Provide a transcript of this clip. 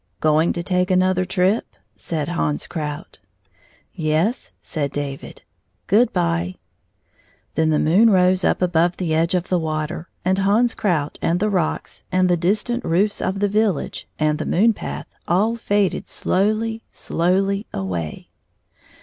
"Going to take another trip?" said Hans Krout. "Yes," said Da^id; "good by!" Then the moon rose up above the edge of the water, and Hans Krout and the rocks and the distant roofs of the village and the moon path all faded slowly, slowly away.